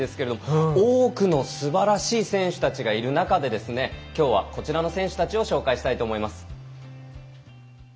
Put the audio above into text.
多くのすばらしい選手たちがいる中できょうは、こちらの選手たちを紹介したいと思います。